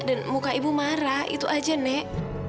dan muka ibu marah itu aja nek